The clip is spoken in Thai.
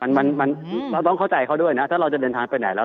มันมันเราต้องเข้าใจเขาด้วยนะถ้าเราจะเดินทางไปไหนแล้ว